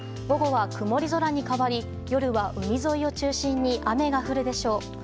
午後は曇り空に変わり夜は海沿いを中心に雨が降るでしょう。